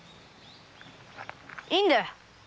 いいんだよ。